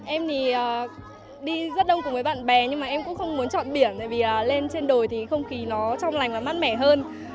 em đi rất đông cùng với bạn bè nhưng em cũng không muốn chọn biển vì lên trên đồi không khí trong lành và mát mẻ hơn